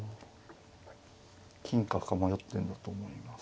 金か歩か迷ってんだと思います。